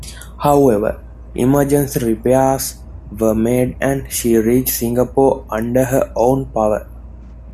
However, emergency repairs were made and she reached Singapore under her own power.